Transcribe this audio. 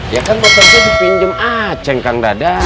ya kan motornya dipinjem aceng kang dadang